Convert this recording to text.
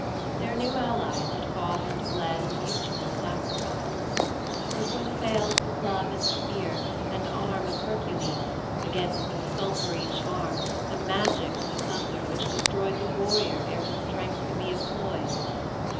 Their new allies Had fought and bled in mutual sacrifice; But what availed the club and spear, and arm Of Hercules, against the sulphury charm, The magic of the thunder, which destroyed The warrior ere his strength could be employed?